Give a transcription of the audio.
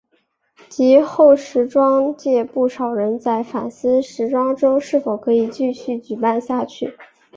及后时装界不少人在反思时装周是否可以继续举办下去。